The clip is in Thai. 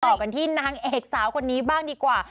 ต่อกันที่นางเอกสาวคนนี้บ้างดีกว่า